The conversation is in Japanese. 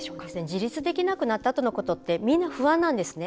自力でできなくなったあとってみんな不安なんですね。